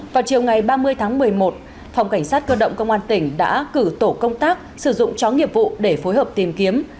vào chiều ngày ba mươi tháng một mươi một phòng cảnh sát cơ động công an tỉnh đã cử tổ công tác sử dụng chó nghiệp vụ để phối hợp tìm kiếm